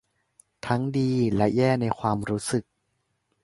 ทั้งดีและแย่ในความรู้สึก